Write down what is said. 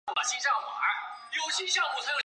固定客组成。